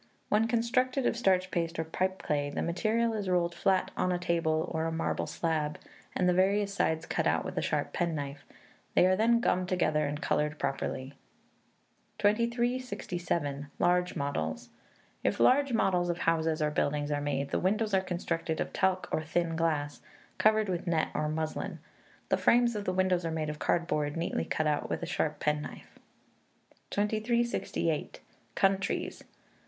When constructed of starch paste, or pipeclay, the material is rolled flat on a table or marble slab, and the various sides cut out with a sharp penknife; they are then gummed together, and coloured properly. 2367. Large Models. If large models of houses or buildings are made, the windows are constructed of talc or thin glass, covered with net or muslin. The frames of the windows are made of cardboard, neatly cut out with a sharp penknife. 2368. Countries.